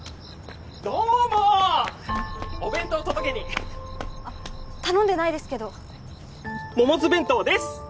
どうもーお弁当届けにあっ頼んでないですけどモモズ弁当です！